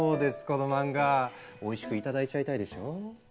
この漫画おいしく頂いちゃいたいでしょ？